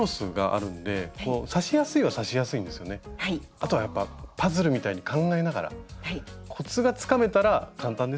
あとはやっぱパズルみたいに考えながらコツがつかめたら簡単ですよね。